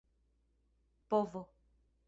povo